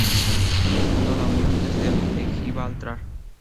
Cortes fundó la Unión de Estudiantes de Gibraltar.